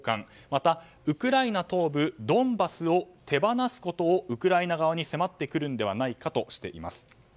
また、ウクライナ東部ドンバスを手放すことをウクライナ側に迫ってくるのではないかとしています。